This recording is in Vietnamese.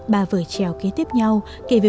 ba vợ trèo kế tiếp nhau kể về